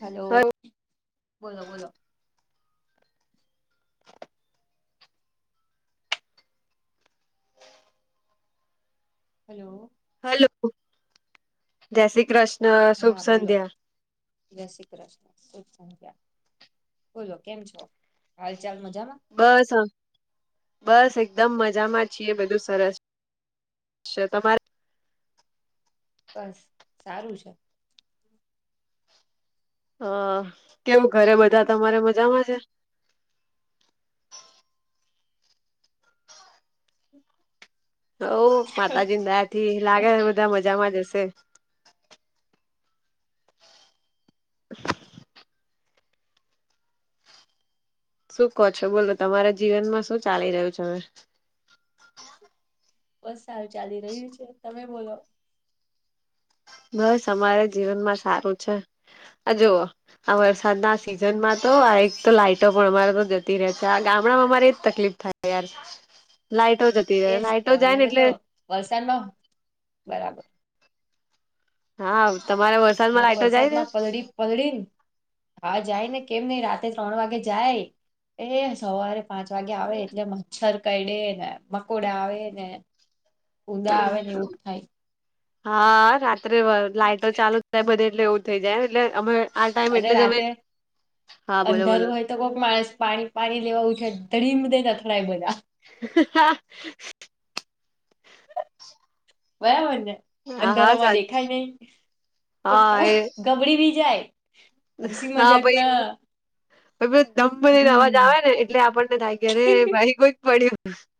Hello બોલો બોલો hello hello જય શ્રી કૃષ્ણ શુભ હા બોલો સંધ્યા જય શ્રી કૃષ્ણ શુભ સંધ્યા બોલો કેમ છો હાલ ચાલ મજામાં બસ અમ બસ એકદમ મજામાં છીએ બધું સરસ છે તમારે બસ સારું છે હ કેમ ઘરે બધા તમારે મજામાં છે હવ માતાજીની દયાથી લાગે બધા મજામાં જ હશે શું કહો છો બોલો તમારા જીવનમાં શું ચાલી રહ્યું છે હવે બસ સારું ચાલી રહ્યું છે તમે બોલો બસ અમારે જીવનમાં સારું છે આ જુઓ આ વરસાદના સિઝન માં તો આ એક તો લાઇટો પણ અમારે તો જતી રહે છે આ ગામડામાં અમારે એજ તકલીફ થાય યાર લાાઈટો જતી રે લાઈટો જાય ને એટલે વલસાડ [inaudible] બરાબર હા તમારે વ અહીંયા તો વરસાદ માં પલળી પલળી ન હા જાય ને કેમ નઈ રાતે ત્રણ વાગે જાય એ સવારે પાંચ વાગે આવે એટલે મચ્છર કંઈડે ને મકોડા આવે ને ઉદા આવે ને એવું થાય હા રાત્રે લાઈટો ચાલુ થાય બધે એટલે એવું થઈ જાય એટલે અમે આ ટાઈમ અને એટલે જ અમે રાતે હા બોલો બોલો અંધારું હોય તો કોક માણસ પાણી પાણી લેવા ઉઠે ધડીમ દેતા અથડાય બધા હ હા બરાબર ને હા અંધારામાં સાચ દેખાય નહી હા એ [inaudible] ગબડી બી જાય હસી હા મજાક ના ભાઈ [inaudible] એવુ ઘમ દઈને હમ અવાજ આવે ને એટલે આપણને થાય કે અરે ભાઈ કોઈક પડ્યું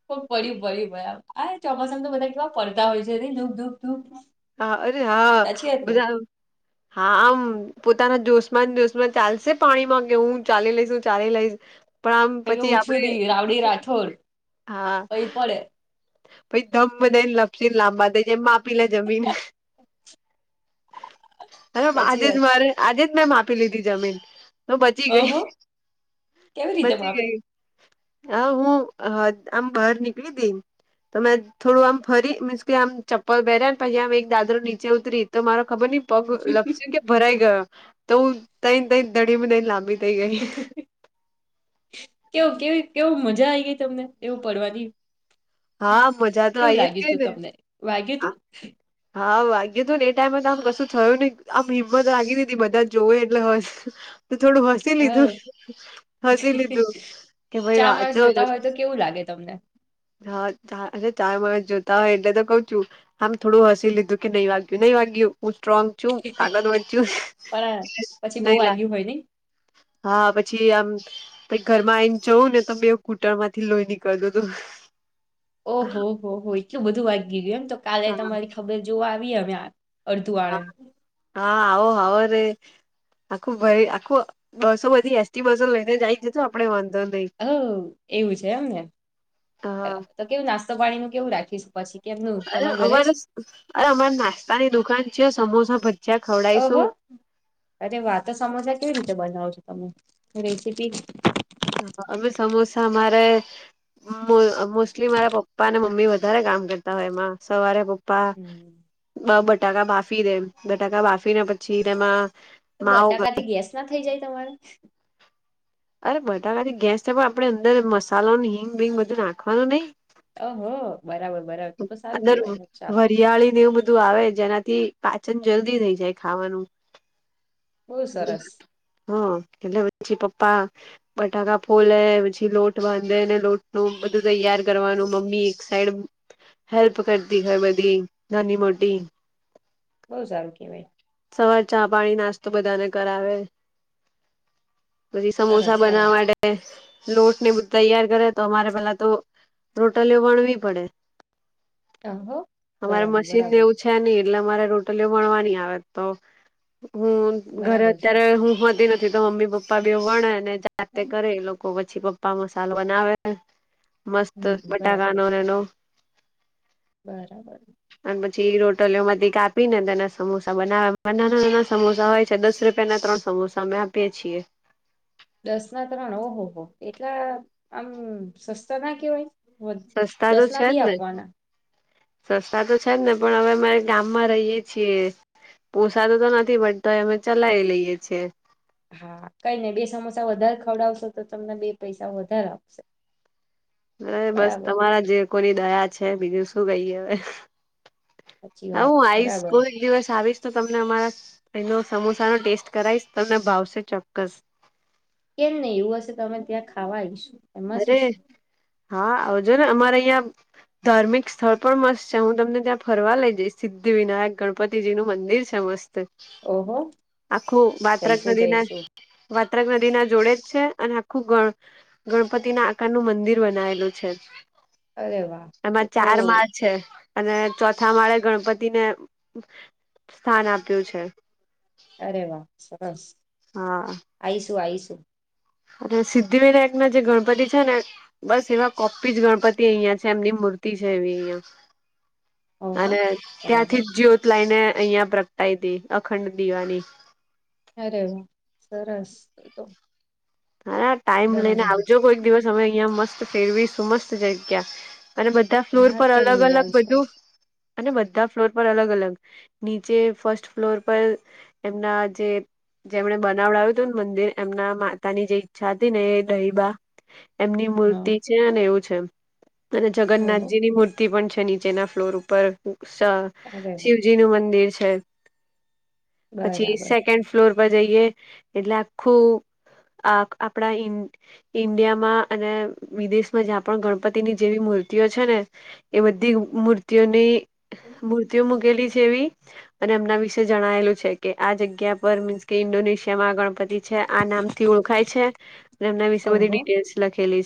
કોક પડ્યું પડિયું ભાઈ આ ચોમાસામાં તો બધા કેવા પડતા હોય છે નહી ધૂબ ધૂબ ધૂબ હા અરે હા બધા હા આમ પોતાના જોશમાન જોશમાન ચાલશે પાણીમાં કે હું ચાલી લઈશું ચાલી લઈશ પણ આમ કે પછી ઓછું આપડે દી [unintelligible] હા પહી પડે પછ ધમ બધા ને લપશે લાંબા થ જેમ માપી લે જમીન અરે સાચી આજે જ વાત છે મારે આજે જ મેં માપી લીધી જમીન બચી ગઈ, અહો કેવી રીતે બચી માપી ગઈ હા હું હ આમ બહાર નીકળી તિ તો મેં થોડું આમ ફરી મીન્સ કે આમ ચપ્પલ પહેર્યા ને પછી આમ એક દાદરો નીચે ઉતરી તો મારો ખબર નહી. પગ લપસ કે ભરાઈ ગયો તો હું ત ત દડી ન લાંબી થઈ ગઈ કેવ કેવી કેવું મજા આઈ ગઈ તમને એવું પડવાની. હા મજા તો કેવું આઈ જ લાગ્યું ગઈ તું ને તમને વાગ્યું તું હા વાગી તું ને એ ટાઈમેમમાં તો આમ કશું થયું ને આમ હિંમત લાગી હતી બધા જોવે એટલે હસ તો થોડું હસી હ લીધું હસી લીધું કે ભાઈ ચાર માણસ વાચો. જોતા હોય તો કેવું લાગે તમને હાા ચા માણસ જોતા હોય એટલે તો કઉ છું. આમ થોડું હસી લીધું કે નઈ વાગય્યું નહી વાગય્યું હું સ્ટ્રોંગ શું કગત વધચુ પણ પછી બહુ ન લ વાગ્યું હોય નહી હા. ઘર માં આવીને જવં ને તમે કુટર માંથી લોહી નીકળ તું તું ઓહો હો હો એટલું બધું વાગ ગીયું એમ તો કાલે હા તમારી ખબર જોવા આવી હ અર્ધુંવાળન હા આવો હવારે આખું ભરી આખું બસો બધી એસટી બસો લઈને જાય જ તો આપડે વાંધો નઇ હ એવું છે એમને હા બરાબર તો કેવું નાસ્તો પાણીનું કેવું રાખીશું પછી કેમનું અરે તમારા ઘરે જ અમારે અરે અમારે નાસ્તાની દુકાન છે સમોસા બધી [unintelligible] અમે સમોસા મારે મોસ્ટલી મારા પપ્પા અને મમ્મી વધારે કામ કરતા હોય એમાં સવારે્પા હમ પ્પા બટાકા બાફી દે બટાકા બાફીને પછી તેમાં તો માવો કરે. બટાકાથી ગેસ ના થઈ જાય તમારે અરે બધાથી ગેસને પણ આપડે અંદર મસાલો નનું હિંગ ભીંગ બધું નાખવાનું નહી અહ બરાબર બરાબર તો તો સારું કેવાય ચાલો દિવાળી ને એવું બધું બધું આવે જેનાથી પાચન જલ્દી થઈ જાય ખાવાનું બહુ સરસ હમ એટલે હછ પપ્પા બટાકા ફોલે પછી લોટ બાંધે લોટ નું બધું તૈયાર કરવાનું મમ્મી એક સાઈડ હેલ્પ કરતીર બધી નાની મોટી બહુ સારૂ કે વાય સવાર ચા પાણી નાસ્તો બધાને કરાવે. પછી સરસ સમોસા બનાવા સરસ માટે લોટ ને બધ તૈયાર કરે તો અમારે પેલા તો રોટલીઓ ગઠવી પડે ઓહો અમારે બરાબર મશીનને બરાબર છે નહિ એટલે અમારે રોટલી ગઠવાની આવે તો હું ઘરે બરાબર છે અત્યારે હું હોતી નથી તો મમ્મી પપ્પા બી વણને રાતે કરે એ લોકો પછી પપ્પા મસાલો બનાવે. મસ્ત હમ બરાબર બટાકાને છે એનો બરાબર. અને પછી રોટોલીઓ માંથી કાપીને તેના સમોસા બનાવ નાના નાના સમોસા હોય છે દસ રૂપિયા ના ત્રણ સમોસામાં આપીએ છીએ. દસ ના ત્રણ ઓહો હો એટલા આમ સસ્તાના કહેવાય. સસ્તા તો દસ ના છે બે જ ને આપવાના. સસ્તા તો છે જ ને પણ હવે અમારે ગામમાં રહીએ. છીએ પોસાતું તો નથી બટ અમે ચલાય લઈએ છીએ. હા કઈ નય બે સમોસા વધારે ખવડાવશો તો તમને બે પૈસા વધારે આવશે. અરે બસ તમારા જે કોની દયા છે બીજું શું કહીએ હવે. સાચી હા વાત હું આઈશ બરાબર કોઈક દિવસ આવીશ. તો તમને અમારા એનો સમોસા નો ટેસ્ટ કરાઈશ તમને ભાવશે ચોક્કસ. કેમ નહી એવું હશે તો અમે ત્યાં ખાવા આવીઈશું. અરે હા આવજો ને અમારે અહિયાં ધાર્મિક સ્થળ પણ મસ્ત છે હું તમને ત્યાં ફરવા લઈ જઈશ સિદ્ધિ વિનાયક ગણપતિ તીજી નું મંદિર છે મસ્ત ઓહો આખું વાત્રક જઈશું નદીના જઈશું વાત્રક નદીના જોડે જ છે અને આખું ગણ ગણપતિ ના આકારનું મંદિર બનાવેલું છે. અરે વાહ તો એમાં તો ચાર માળ છે. અને ચોથા માળે ગણપતિને સ્થાન આપ્યું છે. અરે વા સરસ. હા. આઈશું આઈશું. અને સિદ્ધિ વિનાયક ના જે ગણપતિ છે ને બસ એવા કોપી જ ગણપતિ અહિયાં છે એમની મૂર્તિ છે એવી અહિયાં. ઓહો અને બરાબર ત્યાંથી જ જ્યોત લાઈને અહિયાં પ્રગટાઈ હતી અખંડ દિવાની અરે વા સરસ તો. અરે ટાઈમ લઈને બરાબર આવજો કોઈક દિવસ અમે અહિયાં મસ્ત ફેરવીશું મસ્ત જગ્યા અને બધ બધ ફ્લોર હા પર કેમ અલગ નહી અલગ આવીશ બધું આવીશ અને બધા ફ્લોર પર અલગ અલગ નીચે ફર્સ્ટ ફ્લોર પર એમના જે જેમણે બનાવડાવ્યું હતું ને મંદિર એમના માં માતાની જે ઈચ્છા હતી ને એ ડહીબા એમની હા મૂર્તિ છે ને એવું છે. અને ઓહો જગન્નાથજીની મૂર્તિ પણ છે નીચેના ફ્લોર ઉપર આગળ શિવ જી નું મંદિર છે પછી બરાબર સેકન્ડ ફ્લોર પર જઈએ એટલે આખું આ આપણા ઇ ઈન્ડિયામાં અને વિદેશમાં જ્યાં પણ ગણપતિની જેવી મૂર્તિઓ છે ને એ બધી મૂર્તિઓની મૂર્તિઓ મૂકેલી છે એવી અને એમના વિશે જણાયેલું છે કે આ જગ્યા પર મીન્સ કે ઈન્ડોનેશિયામાં ગણપતિ છે આ નામ થી ઓળખાય છે એમના વિશે બધી ઓહો ડિટેલ્સ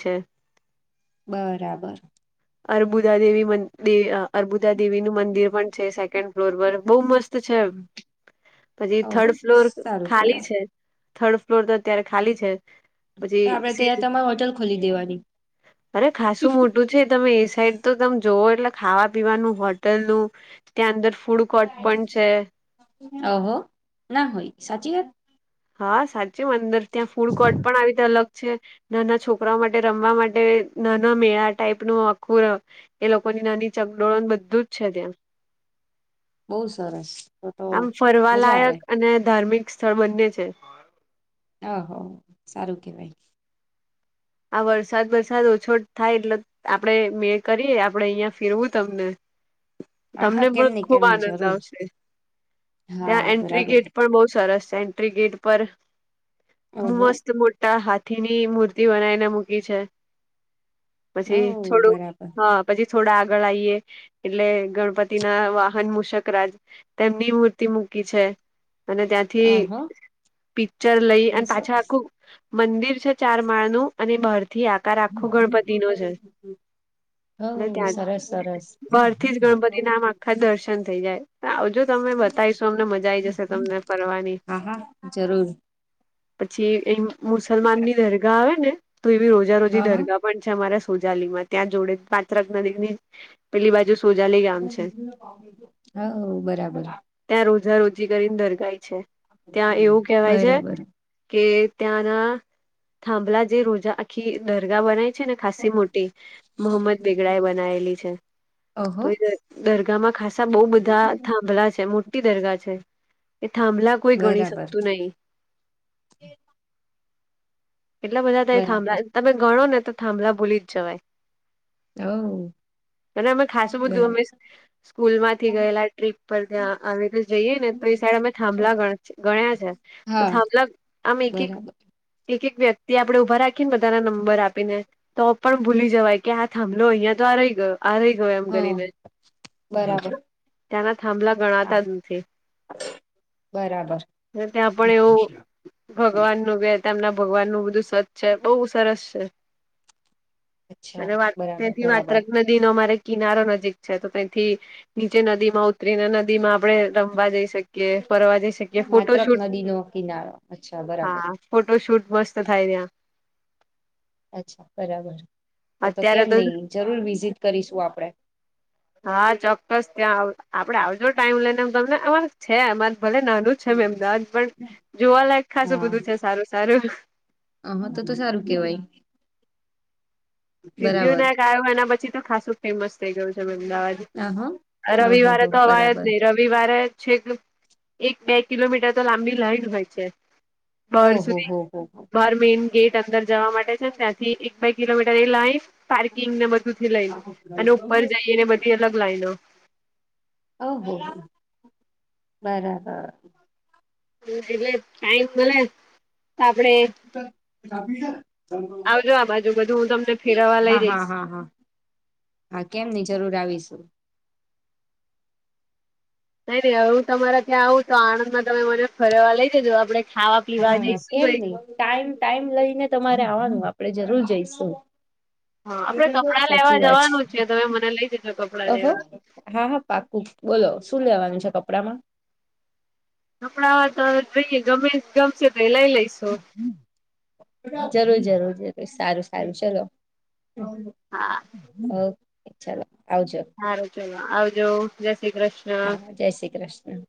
છે. બરાબર. અર્બુદા દેવી મંદી દે આ અર્બુદા દેવી નું મંદિર પણ છે સેકન્ડ ફ્લોર પર બહુ મસ્ત છે. હા, પછી ઓહો થર્ડ ફ્લોર સારું ખાલી કેવાય છે થર્ડ ફ્લોર તો અત્યારે ખાલી છે. તો અજી આપડે તો સેજ યાર તમારે હોટલ ખોલી દેવાની અરે ખાસું મોટું જે તમે એ સાઈડ તો તમ જોવો એટલે ખાવા પીવાનું હોટેલનું ત્યાં અંદર ફૂડ કોટ પણ છે. ઓહો ના હોય સાચી વાત. હા સાચું અંદર ત્યાં ફૂડ કોર્ટ પણ આવી તે અલગ છે. નાના છોકરાઓ માટે રમવા માટે નાના મેળા ટાઈપનું આખું એ લોકોની નાની ચકડોળો બધું જ છે ત્યાં. બહુ સરસ તો તો આમ મજા આવે ફરવાલાયક અને ધાર્મિકસ સબંધી છે. હા હો સારું કેવાય. આ વરસાદ વસાદ ઓછો થાય એટલે આપડે મેં કરીએ આપડે અહિયાં ફેરવું તમને હા હા તમને કેમ પણ નહી ખુબ કેમ નહી આનંદ જરૂર આવશે. ત્યાં હા એન્ટ્રી બરાબર ગેટ પણ બહુ સરસ છેન. તે ગેટ પર ઓહો મસ્ત મોટા હાથીની મૂર તે બનાઇને મૂકી છે. પછી ઓ થોડું બરાબર હા પછી થોડા આગળ આઈએ એટલે ગણપતિ ના વાહન મુશ્કરાજ તેમની મૂર્તિ મૂકી છે. અને ત્યાંથી આહા પિક્ચર લઈ હો અન પાછા આખું મંદિર છે ચાર માળનું અને બહારથી આકાર આખો ગણપતિ નો છે. અને ત્યાં સરસ સરસ બહાર થી જ ગણપતિ ના આમ આખા દર્શન થઈ જાય. આવજો તમે બતાઇસુ તમને મજા આઈ જશે તમને ફરવાની. હા હા જરૂર પછી એ મુસલમાનની દરગાહ આવે ને તો એવી ઓજા રોજી હા હા દરગાહ પણ છે અમારા સોજાલીમાં ત્યાં જોડે પાત્રક નદીની પેલી બાજુ સોજા લે [unintelligible] હોવ બરાબર. ત્યાં રોજા રોજી કરીન દરગાહ ય છે ત્યાં એવું કેહેવાય છે. બરાબર કે ત્યાં [unintelligible] થાંભલા જે રોજા આખી દર્ગા બનાય છે ને ખાસી મોટી મોહમ્મદ બેગડા એ બનાયેલી છે ઓહો તો એ દ દરગાહમાં ખાસા બહુ બધા થાંભલા છે. મોટી દરગાહ છે. એ થાંભલા કોઈ ગણી બરાબર શકતું નહી. એટલા બધા તહીં બરાબર હ થાંભળા તમે ગણો ને તો થાંભળા ભૂલી જ જવાય. હવ. અને અમે ખાસું બધું અમે સ્કૂલમાંથી ગયેલા ટ્રીપ પર ત્યાં આવી રી જઈએ ને તો એ સાઈડ અમે થાંભલા ગણ ગણ્યા છે. હા તો થાંભલા આમ એક એક બરાબર એક એક વ્યક્તિ આપણે ઉભા રાખીએન બધાને નંબર આપીને તો પણ ભૂલી જવાય કે આ થાંભલો અહિયાં તો આ રહી ગયો. આ રહી ગયો એમ હા કરીને. બરાબર ત્યાંના થાંભલા હા ગણાતા જ નથી. બરાબર ને ત્યાં પણ એવું ભગવાનનું વેર તેમના ભગવાનનું બધું સત છે. બહુ સરસ છે. અચ્છા અને વાત બરાબર તહીંથી બરાબર વાત્રક ન નદીનો માંરે કિનારો નજીક છે. તો તહીંથી નીચે નદીમાં ઉતરીને નદીમાં આપડે રમવા જઈ શકીએ ફરવા જઈ શકીએ ફોટો માત્ર શૂટ નદી નો કિનારો અચ્છા બરાબર હા ફોટો શૂટ મસ્ત થાય ત્યાં. અચ્છા બરાબર તો તો અત્યારે કેમ નઈ જરૂર વિઝિટ કરીશું આપડે હ હા ચોક્કસ ત્યાં આપડે આવજો ટાઈમ લઈને તમને અરે છે અમારે ભલે નાનું અમદાવાદ પણ જોવાલાયક ખાસું બધું છે સારું સારું અ તો તો સારું કેવાય સિદ્ધિ બરાબર વિનાયક આવ્યો એના પછી તો ખાસું ફેમસ થઈ ગયું છે અમદાવાદ આહ ઓહો રવિવારે હો તો અવા જ બરાબર નહી રિ િવારે છે એક બે કિલોમીટર તો લાંબી લાઈન હોય છે બહાર ઓહો સુધી હો હો બહાર મેઈન ગેટ અંદર જવા માટે છે ને ત્યાંથી એક બાય કિલોમીટર કરી લઇન પાર્કિંગ ને બધું થી લઈને ઓહો અને બરાબર. ઉપર જઈને બધી અલગ લાઈન ઓહ બરાબર હ એટલે ટાઈમ મળે તો આપડે કપી આવજો આ બાજુ બધું હું તમને છે ફેરવવા લઈ હા હા જઈશ હા હા હા કેમ ની જરૂર આવીશું નઈ નઈ હવે હું તમારા ત્યાં આવું તો આણંદમાં તમે મને ફરવા લઈ જજો આપડણે ખાવા પીવા જઈ હા શું કેમ હોય નહી ટાઈમ ટાઈમ લઈને તમારે આવાનું આપડણે જરૂર જઈશું આપડે [unintelligible] કપડાં લેવા સાચી વાત છે જવાનું તમે મને લઈ જજો કપડાં અહો લેવા હા હા પાકું બોલો શું લેવાનું છે, કપડામાં કપડા તો જોઈએ ગમે ગમેશે તો એ લઈ લઈશ જરૂર જરૂર જરૂર સારું સારું ચલો હા ઓકે ચાલો આવજો ચલો આવજો જય શ્રી કૃષ્ણ હા જય શ્રી કૃષ્ણ